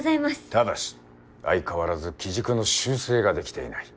ただし相変わらず機軸の修正ができていない。